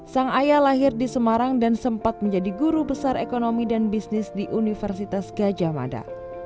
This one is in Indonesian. sang ayah lahir di semarang dan sempat menjadi guru besar ekonomi dan bisnis di universitas gajah mada